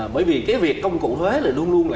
bởi vì việc công cụ thuế luôn luôn là